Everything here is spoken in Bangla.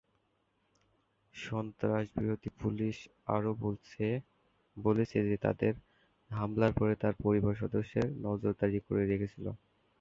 সন্ত্রাসবিরোধী পুলিশ আরও বলেছে যে তারা হামলার পরে তার পরিবারের সদস্যদের নজরদারি করে রেখেছিল।